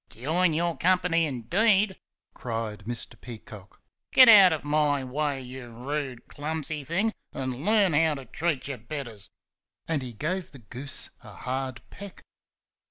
"Join your company, indeed!" cried Mr. Peacock. "Get out of my way, you rude, clumsy thing, and learn how to treat your betters!" and he gave the goose a hard peck.